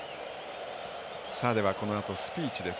このあとスピーチです。